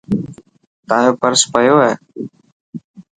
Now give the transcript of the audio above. تايو پرس پيو هي.